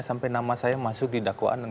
sampai nama saya masuk di dakwaan